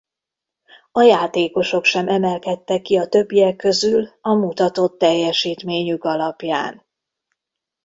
A játékosok sem emelkedtek ki a többiek közül a mutatott teljesítményük alapján.